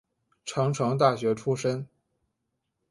成城大学出身。